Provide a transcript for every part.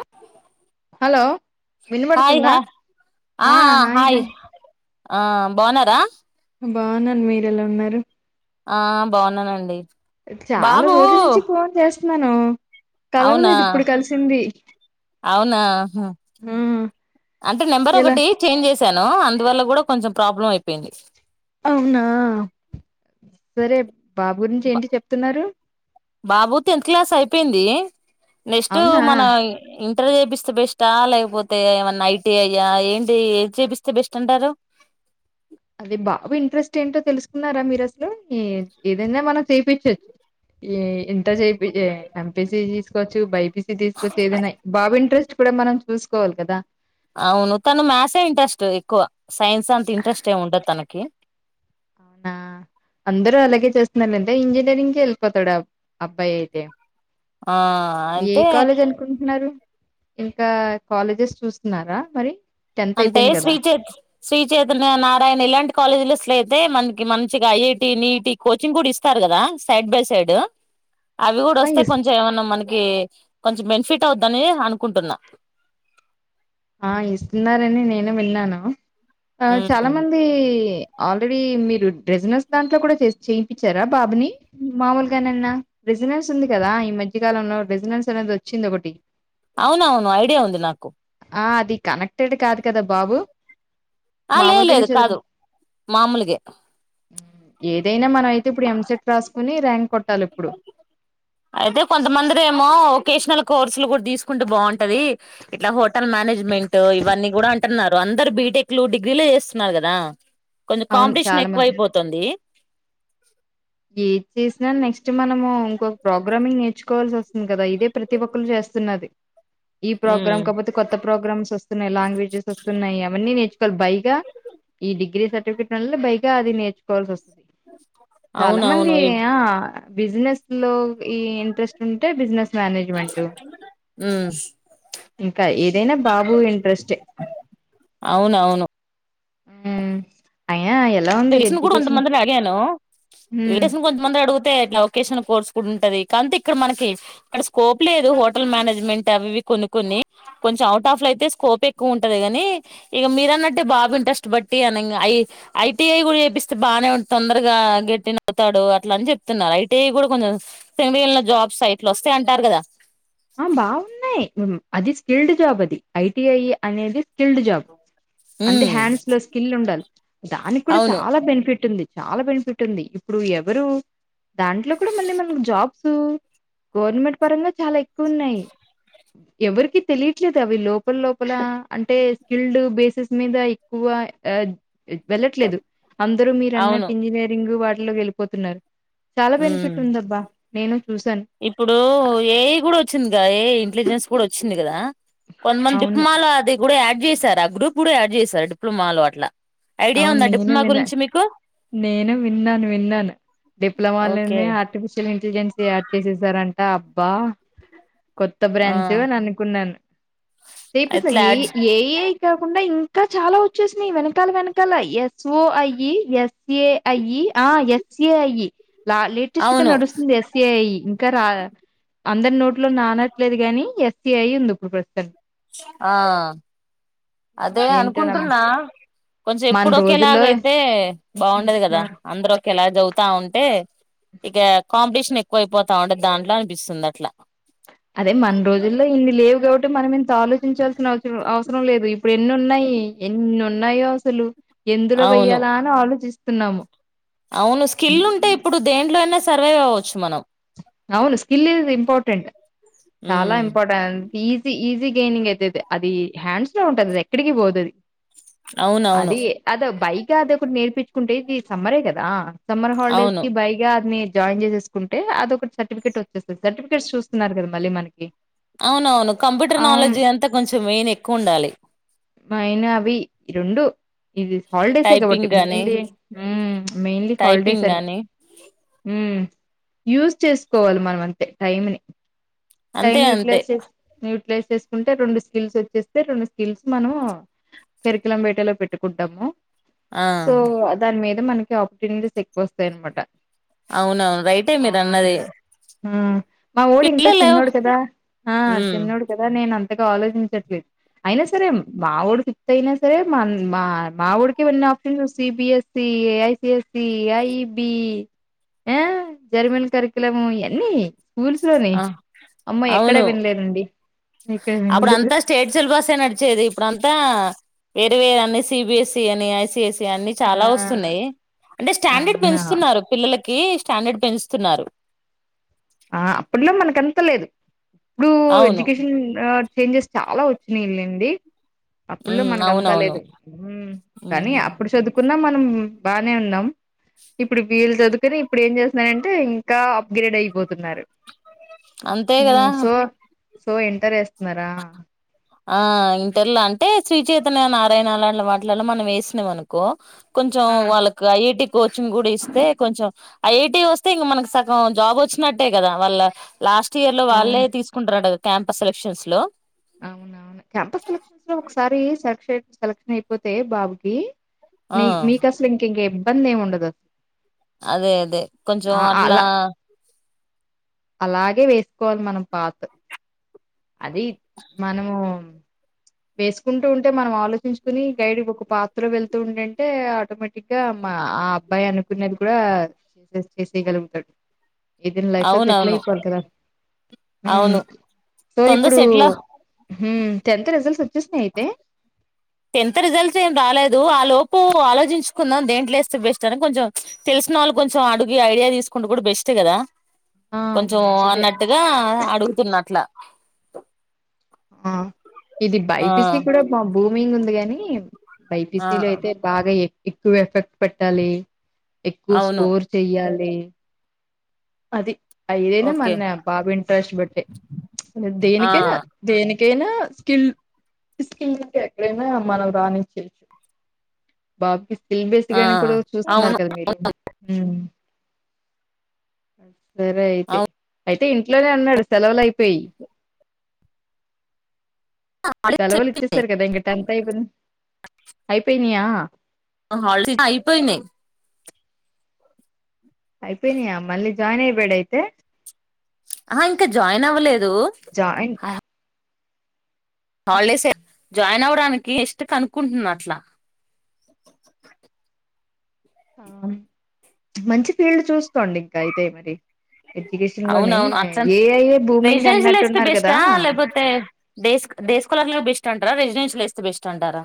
అ hello వినపడుతుందా ఆ hi hi ఆ బావున్నారా? బాగున్నాను మీరెలా ఉన్నారు ఆ బాగున్నానండి చాలా బాబు రోజుల నుంచి ఫోన్ చేస్ తునాను అవునా అవునా ఆ అంటే నెంబర్ ఎలా ఒకటి చేంజ్ చేస్ ను అందువల్ల కూడా కొంచెం ప్రాబ్లం అయి అవునా సరే బాబు గురించి ఏంటి బా- చెప్తున్నారు బాబు టెన్త్ క్లాస్ అయిపోయింది నెక్స్ట్ అవునా మన ఇ టర్ చేపిస్తే బెస్టా లేకపోతే ఏమన్నా ఐటీ అయ్యా ఏంటి ఏది చేపిస్తే బెస్ట్ అంటారు అదీ బాబు ఇంట్రెస్ట్ ఏంటో తెలుసుకున్నారా మీరు అసలు ఈ ఏదైనా మనం చేపించచ్చు ఈ ఇంటర్ చేపియే ఎంపీసీ తీసుకోవచ్చు బైపిస్ తీసుకోచ్చు ఏదైనా బాబు ఇంట్రెస్ట్ ఇప్పుడె మనం చూసుకోవాలి కదా అవును తను మ్యాసే ఇంట్రెస్ట్ ఎక్కువ సైన్స్ అంత ఇంట్రెస్ట్ ఏమి ఉండదు తనకి ఆ అవునా అందరూ అలాగే చేస్తున్నారు అంటే ఇంజనీరింగ్ కెళ్ళిపోతాడు అబ్బాయి అయితే ఆ ఏ అంటే కాలేజ్ అనుకుంటున్నారు ఇంకా కాలేజెస్ చూస్తున్నారా మరి టెన్త్ అంటే అయిపోయింది కదా శ్రీచ శ్రీచైతన్య నారాయణ ఇలాంటి కాలేజీలో సి ట్లయితే మనకి మంచిగా ఐఐటి నీటి కోచింగ్ కూడా ఇస్తారు కదా సైడ్ బై సైడ్ అవి కూడా ఆ వస్తే ఇస్ కొంచెం ఏమన్నా మనకి కొంచెం బెనిఫిట్ అవుద్దని అనుకుంటున్నా ఆ ఇస్తున్నారని నేను విన్నాను ఆ ఉమ్ చాలా మంది ఆల్రెడీ మీరు రెజినెన్స్ దాంట్లో కూడా చేర్పించారా బాబుని మామూలుగానన్న రెజినెన్స్ ఉంది కదా ఈ మధ్య కాలంలో రెజినెన్స్ అనేది వచ్చింది ఒకటి అవునవును ఐడియా ఉంది నాకు ఆ అది కనెక్టెడ్ కాదు కదా బాబు ఆ లేదు మామూలుగానే లేదు చదువు కాదు మామూలుగే ఏదైన్ మన అయితే ఇప్పుడు ఎంసెట్ రాసుకోని ర్యాంక్ కొట్టాలి ఇప్పుడు అయితే కొంతమందిరేమో వకేషనల్ కోర్సులు కూడా తీసుకుంటూ బాగుంటది ఇట్లా హోటల్ మేనేజ్మెంట్ ఇవన్నీ కూడా అంటున్నారు అందరు బీటెక్ లు డిగ్రీలు చేస్తున్నారు కదా కొంచెం అవును కాంపిటీషన్ చాలా ఎక్కువ మంది అయిపోతుంది ఏది చేసినా నెక్స్ట్ నట్ మనము ఇంకొక ప్రోగ్రామింగ్ నేర్చుకోవాల్సి వస్తుంది కదా ఇదే ప్రతి ఒక్కరు చేస్తున్నది ఈ ఉమ్ ప్రోగ్రామ్ కాకపోతే కొత్త ప్రోగ్రామ్స్ వస్తున్నాయి లాంగ్వేజెస్ వస్తున్నాయి అవన్నీ నేర్చుకోవాలి బైగా ఈ డిగ్రీ సర్టిెట్ వల్ల పైగా ఆది నేర్చుకోవాల్సి వస్తుంది అ చాలా మంది ఆ బిజినెస్ లో ఈ ఇంట్రెస్ట్ ఉంటే బిజినెస్ మేనేజ్మెంట్ ఇంకా ఏదైనా బాబు ఇంట్రెస్ట్ అవునవును ఉ అ తెలిసొనోళ్లని కూడా కొంద మందిని అడిగాను ఉమ్ కొందమందిని అడుగు లొకేషన్ కోర్స్ కూడా ఉంటది కా ఇక్కడ మనకి ఇక్కడ స్కోప్ లేదు హోటల్ మేనేజ్మెంట్ అవి కొను కొని కొంచెం అవుట్ ఆఫ్ అయితే స్కోప్ ఎక్కువ ఉంటది కాని ఇక మీరన్నట్టే బాబు ఇంట్రెస్ట్ బట్టి అ ఐటిఐ కూడా చెపిస్తే బాగానే తొందరగా గట్టిన అవుతాడు అట్లా అని చెప్తున్నారు ఐటిఐ కూడా కొంచెండి వెళ్ళిన జాబ్స్ అట్లా వస్తా అంటారు కదా ఆ బాగున్నాయి అది స్కిల్డ్ జాబ్ అది ఐటిఐ అనేది స్కిల్డ్ జాబ్ అంటే ఉమ్ హ్యాండ్స్ లో స్కిల్ ఉండాలి దానికి కూడా అవును చాలా బెనిఫిట్ ఉంది చాలా బెనిఫిట్ ఉంది ఇప్పుడు ఎవరు దాంట్లో కూడా మళ్ళీ మనకు జాబ్స్ గవర్నమెంట్ పరంగా చాలా ఎక్కున్నాయి ఎవరికి తెలియట్లేదు అవి లోపల లోపల అంటే స్కిల్డ్ బేసిెస్ మీద ఎక్కువ వెళ్ళట్లేదు అందరుూ మీరు అన్నట్టు అవును ఇంజనీరింగ్ వా లో వెళ్ళిపోతున్నారు చాలా బెనిఫిట్ ఉమ్ ఉందబ్బా నేను చూసాను ఇప్పుడు ఏయి కూడా వ వచ్చిందిగా ఏ ఇంటెలిజెన్స్ కూడా వచ్చింది కదా కొంద మంది అవును దిక్మాాల అది కూడా అడ్ చేశారు ఆ గ్రూప్ కూడా యాడ్ చేశారు డిప్లొమా లో అట్లా ఐడియా అవును ఉందా నేను డిప్లొమా విన్నా గురించి మీకు నేను విన్నాను విన్నాను ఓకే డిప్లొమాలోనే ఆర్టిఫిషియల్ ఎ యాడ్ చేసేసారే అబ్బా కొత్త ఆ బ్రాంచ్ అని అనుకున్నాను అట్లా చేపిసది యాడ్ చే ఏ ఏ కాకుండా ఇం ఇ చాలా వచ్చేసినా ఈ వెనకాల వెనక ల ఎస్ఓ ఐఈ ఎస్ఏ ఐఈ ఆ ఎస్ఏ ఐఈ లేటెస్ట్ గా అవును నడుస్తుంది ఎస్సఐ అందరి నోట్ ఇంట్లో నానట్లేదుగాని ఎస్ ఈఅయి ఉంది ఇప్పుడు ప్రస్తుతన్ ఆ అదే ఏంటో నమ్ అనుకుంటున్నా కొంచెం మన ఎప్పుడు ఒకేలాగ రోజుల్లో అయితే బాగుండదు ఆ, కదా అందరు ఒకేలాగ్ చదువుతా ఉంటే ఇక కాంపిటీషన్ ఎక్కువయిపోతా ఉంట దాంట్లో అనిపిస్తుంది అట్లా అదే మన రోజుల్లో ఇన్ని లేవు కాబట్టి మనమింత ఆలో చించాల్సిన అవసరం అవసరం లేదు ఇప్పుడు ఎన్ని ఉన్నాయి ఎన్ నున్నాయో అసలు ఎందులో అవును వెయ్యాలా అని ఆలోచిస్ తున్నాము అవును స్కిల్ ఉంటే ఇప్పుడు దేంట్లో అయినా స్ సర్వే కావచ్చు మనం అవును స్కిల్ ఈజ్ ఇంపార్టెంట్ చాలా ఉమ్ important easy easy gaining అయితది అది హ్యాండ్స్ లో ఉంటది అది ఎక్కడికి పోదది అవునవును అది అదో బై కా అది ఒకటి నేర్పిచుకుంటే ఇది సమ్మరే కదా సమ్మర్ హాలిడేస్ అవును కి బైగా అదినేది జాయిన్ చేసేసుకుంటే అదొకటి సర్టిఫికెట్ వచ్చేస్తది సర్టిఫికేట్ చూస్తున్నారు కదా మళ్ళీ మనకి అవునవును కంప్యూటర్ అవును నాలెడ్జ్ అంతా కొంచెం మెయిన్ ఎక్కువ ఉండాలి మేయిన్ అవి ఈ రెండు ఇది హాలిడేసే కాబట్టి టైపింగ్ గాని మ్మ్ మెయిన్లీ హాలిడేస్ టైపింగ్ అని గాని మ్మ్. యూజ్ చేస్ కోవాలి మనం అంతే టైమ్ ని టైమ్ అంతే ని అంతే యుటిలైజ్ చేస్ యుటిలైజ్ చేసుకుంటే రెండు స్కిల్స్ వచ్చేస్తే రెండు స్కిల్స్ మనం కరికులం వీటా లో పెట్టుకుంటాము ఆ సో ఆ దానిమీద్ ఇ మనకి ఆపర్టునీస్ ఎక్కువ వస్తాయి అన్మాట అవును అవును రైటే మీరు అన్నది మ్ మా వోడు ఇంకా పిల్లలు చిన్నోడు కదా ఆ ఉమ్ చిన్నోడు కదా నేన అం పెద్దగా ఆలోచించట్లేదు, అయినా సరే మా వోడు కి ఇస్తే అయినా సరే మా మా వాడికి ఉన్నా options CBSE, ICSE, IB German curriculum ఎన్ని స్కూల్స్ లోని ఆ అమ్మా ఎక్కడ అవును వినలేదు అండి ఎక్కడ అప్పుడు అంతా స్టేట్ సిలబస్ ఐ నడిచేది ఇప్పుడు అంతా ఆ ఏంటో అని సిబిఎస్ఈ అని ఐసిఎస్ అని ఆ చాలా వస్తున్నాయి అంటే స్టాండర్డ్ అవునా పెంచుతున్నారు పిల్లలకి కి స్టాండర్డ్ పెంచుతున్నారు ఆ అప్పట్లో మనకెంత లేదు ఇప్పుడు అవును ఎడ్యుకేషన్ చేంజెస్ చాలా వచ్చినాయి లే అండి అప్పుట్లో ఉమ్ మనకు అంత అవునవును లేదు కానీ ఉమ్ అప్పుడు చదువుకు న్నా మనం బాగానే ఉన్నాం ఇప్పుడు వీలు చదువుకుని ఇప్పుడు ఏం చేస్తున్నాారంటే ఇంకా అప్గ్రేడ్ అయిపోతుంది న్నారు అంతే కదా సో ఎంకరేజ్ ఆ ఇంటర్లో అంటే శ్రీ చైతన్య త్తన నారాయణ వాటిలలో మనం వేసినాం అనుకో కొంచెం వాళ్ళకి ఐఐటి కోచింగ్ కూడా ఇస్తే కొంచెం ఐఐటి వస్తే ఇంక మనకి సగం జాబ్ వచ్చినట్టే కదా వాళ్ళ లాస్ట్ ఇయర్ లో వాళ్ళే అవును తీసుకుంటారంట కదా క్యాంపస్ సెలక్షన్స్ హలో అవునవును క్యాంపస్ సెలక్షన్స్ లో ఒకసారి స సెలెక్షన్ అయిపోతే బాబుకి ఆ మీ మీకు కసలు ఇంక ఇం ఇబ్బంది ఏమీ ఉండదు అదే అదే కొంచెం అట్లా అలా అలాగే వేసుకోవాలి మనం పాత అది మనము వేసుకుంటూ ఉంటే మనం ఆలోచించుకుని గైడ్ ఒక పాత్రలో వెళ్తూ ఉండేంటే ఆటోమేటిక్గా మా ఆ అబ్బాయి అనుకునేది కూడా చేసే చేసేయగలుగుతాడు ఏది లైఫ్ లో సెటిల్ అవునవును అయిపోవాలి కదా అవును సో తొందర ఇప్పుడు సెట్లా ఉహ్ టెన్త్ రిజల్ట్ వచ్చేసినయ్ అయితే టెన్త్ రిజల్ట్స్ ఏం రాలేదు ఆ లోపు ఆలోచించుకుందాం దేంట్లోస్తే బెస్ట్ అని కొంచెం తెలిసిన వాళ్ళు కొంచెం అడుగి ఐడియా తీసుకుంటూ కూడా బెస్ట్ కదా ఆ కొంచెం మంచిదే అన్నట్టుగా అడుగుతున్న అట్లా ఆ ఇది ఆ బైపిసి కూడా బాబు మీంగ్ ఉంది గాని బైపీస ఆ లో అయితే బాగా ఎక్ ఎక్కువ ఎఫెక్ట్ పెట్టాలి ఎక్కువ అవును స్కోర్ చెయ్యాలి లి అది [inaudible] అయిదైనా ఓకే మన్న బాబు ఇంట్రెస్ట్ బట్టే ఆ దేనికైనా దేనికి ఐనా స్కిల్ స్కిల్ ఎక్కడైనా మనం రానిచచ్చు బాబ్ ఫిల్ బేస్ ఆ గాని కూడా చూస్తున్నారు అవును కదా మీరు హు అ [inaudible] సరే అయితే అవును ఐ అయితే ఇంట్లోనే వున్నాడు సెలవులయిపోయి హాలిడేస్ సెలవులు ఇచ్చేస్తారు కదా ఇంక టెన్త్ అయిపోయిన అయిపోయినాయా హాలిడేస్ అయిపోయినాయి అయిపోయినయ మళ్ళీ జాయిన్ అయిపోయాడ అయితే ఆ ఇంకా జాయిన్ అవ్వలేదు దు జాయిన్ హ హాలిడేస్ ఏ జాయిన్ అవడానికి నెక్స్ట్ కనుక్కుంటున్న అట్లా ఆ మంచి ఫీల్డ్ చూస్కోండి ఇంకా అయితే మరి ఎడ్యుకేషన్ లోని అవునవును అట్లా ఏఐఏ భూమింగ్ రెసిడెన్షియల్ వేస్తే అన్నట్టున్నారు కదా డేస్ కలార్ బెస్ట్ అంటారా రెసిడెన్షియల్ వేస్తే బెస్ట్ అంటారా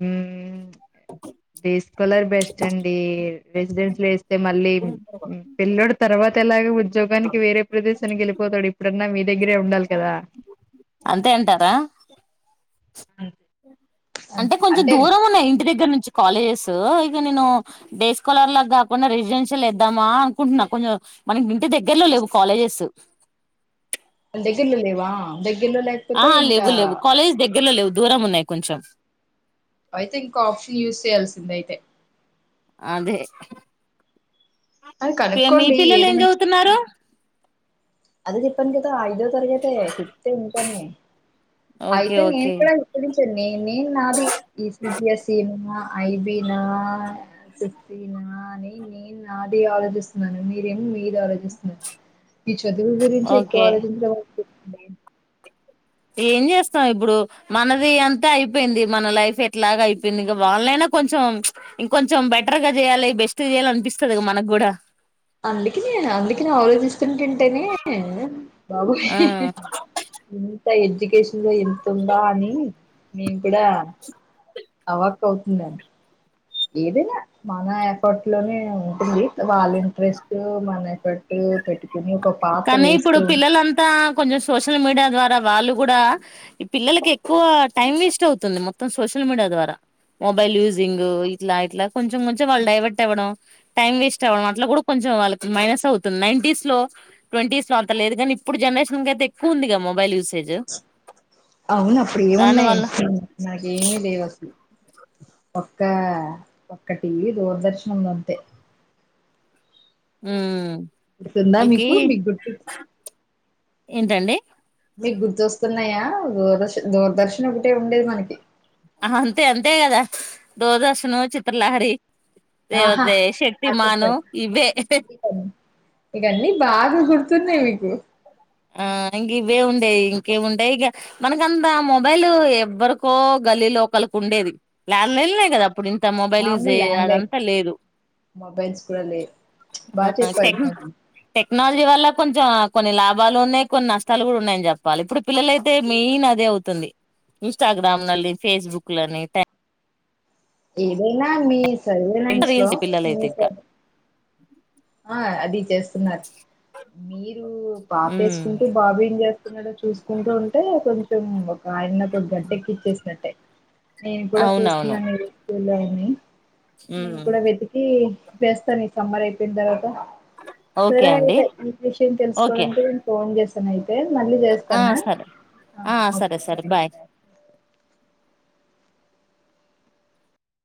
ఉ డేస్ కోలర్ బెస్ట్ అండి రెసిడెన్స్లు వేస్తే మళ్ళీ పిల్ల్లోడు తర్వాత ఎలాగో ఉద్యోగానికి వేరే ప్రదేశానికి వెళ్ళిపోతాడు ఎప్పుడన్నా మీ దగ్గరే ఉండాలి కదా అంతే అంటారా అంటే కొంచెం దూరం ఉన్నాయి ఇంటి దగ్గర నుంచి కాలేజెస్ ఇగ నేను డేస్కాలర్ లా కాకుండా రెసిడెన్షియ ఏద్దామా అనుకుంటున్నా కొంచం మనకి ఇంటి దగ్గరలో లేవు కాలేజెస్ దగ్గర్లో లేవా దగ్గ ఆ లేవ్వు లేవ్వు కలేజ్ ద గ్గర్లో లేవు దూరం ఉన్నాయి కొంచెం అయితే ఇంకో ఆప్షన్ యూజ్ చేయాల్సిందె అయితే అదే అది ఇగ మీ కనుక్కోండి పిల్లలు ఏది ఏం మంచి చవుతున్నారు అదే చెప్పను కదా [inaudible] తరగతే ఫిఫ్తే ఇంకానే ప [unintelligible] ఓకే అయితే నేను ఓకే కూడా నిప్పించను న నేను నాది యూపీఎస్సీ నా ఐబీ నా జీనా అని నేను నాది ఆలోచిస్తున్నాను మీరేం మీది ఆలోచిస్తు చదువు గురించి ఎక్కువ ఓకే ఆలోచించ అ ఏం చేస్తావ్ ఇప్పుడు, మనది అంత అయిపోయింది లైఫ్ ఎట్లాగో చేయాలి అయిపోయింది, ఇంక వాళ్ళైనా కొంచెం ఇంకొంచెం బెటర్గా చేయాలి బెస్ట్ చేయ్యాలి అనిపిస్తుంది ఇ మనకు కూడా అందుకనే అందుకనే ఆలోచిస్తుంటుంటేనే బాబోయి ఆ ఇ ఎడ్యుకేషన్ లో ఇంతుందా అని నేను కూడా అవాక్ అవుతున్నాను ఏదనా మన ఎఫట్ లోనే ఉంటుంది వాళ్ళ ఇంట్రెస్ట్ మన ఎఫర్ట్ పెట్టు కానీ ఇప్పుడు పిల్లలంతా కొంచెం సోషల్ మీడియా ద్వారా వాళ్ళు కూడా, ఈ పిల్లలకి ఎక్కువ టైం వేస్ట్ అవుతుంది మొత్తం సోషల్ మీడియా ద్వారా, మొబైల్ యూజింగ్ ఇట్లా ఇట్లా కొంచెం కొంచెం వాళ్ళు డైవర్ట్ అవ్వడం, టైం వేస్ట్ అవ్వడం అట్లా కూడా కొంచెం వాళ్ళకి మైనస్ అవుతుంది నైన్ంటస్ లో ట్వంటీస్లో అంతలేదు గాని, ఇప్పుడు జనరేషన్ అయితే ఎక్కువ ఉందిగా మొబైల్ యూసేజ్ అవును అప్పుడు దాని ఏమున్నాయి వల్ల నాకేమి లేవు అసలు ఒక్క ఒక్కటి దూరదర్శనంలోంతే ఉ ఇస్తుందా మీకు మీకు గుర్తుస్ ఏంటండి మీకు గుర్తుస్తున్నాయా దూరదర్స్ దూరదర్శన్ ఒకటే ఉండేది మనకి అంతే అంతే కదా దూరదర్శను చిత్రలహరి ఆహా లేకపోతే ఆ చెప్ప శక్తిమాను ఇవే ఇకన్నీ బాగా గు సున్నే మీకు ఆ ఇంక ఇవే ఉండేవి ఇంకే ఉండే ఇక మనకంతా మొబైల్, ఎవ్వరికో గల్లీ లోకలికి ఉండేది ల్యాండ్లైన్లే కదా ఇప్పు ఇంత మొబైల్ అమ్మ యూజే ల్యాండ్లైన్ అదంతా లేదు, మొబైల్స్ కూడా లేవు ఆ బాగా లేదు చెప్పారు టెక్ మేడం టెక్ నల్ జీవల్ల కొంచెం కొన్ని లా వాళ్లు ఉన్నాయ్ కొన్ని నష్టాలు కూడా ఉన్నాయ్అని చెప్పాలి ఇప్పుడు పిల్లల అయితే మెయిన్ అదే అవుతుంది ఇన్స్టాగ్రామ్లని ఫేస్బుక్లని టాగ్ ఏదైనా మీ సర్లే నేన్ స్లో రీల్స్ పిల్లలయితే ఇంకా ఆ అది జెస్ట్ మీరు ఉమ్, పాపేసుకుంటే బాబు ఏం చేస్తున్నాడో చూసుకుంటూ ఉంటే కొంన్ టిమ్ము ఆయన ఒక గట్టెక్కిచ్చేసినట్టే నేను కూడా అవునవును చూస్తున్నాను [unintelligible] నేను ఉమ్, కూడా వెతికి వేస్తాను ఈ సమ్మర్ అయితే పింద్ అవటం ఓకే సరే అండి అయితే ఈ విషయం ఓకే తెలుసుకోవడానికి నేను ఫోన్ చేసా తిన్నారా ఆ సరే ఆ సరే సరే బాయ్